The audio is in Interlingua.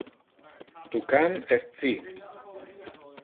Tu can es ci.